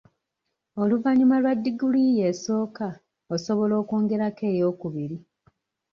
"Oluvannyuma lwa diguli yo esooka, osobola okwongerako ey'okubiri."